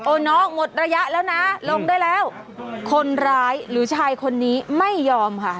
น้องหมดระยะแล้วนะลงได้แล้วคนร้ายหรือชายคนนี้ไม่ยอมค่ะ